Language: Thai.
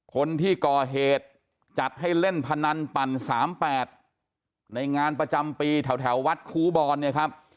คนที่ก่อเหตุจัดให้เล่นพนันปั่น๓๘ในงานประจำปีแถววัดครูบอลเนี่ยครับ